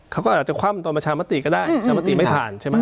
เขาก็อาจจะคว่ำตอนประชามติก็ได้ชามติไม่ผ่านใช่ไหม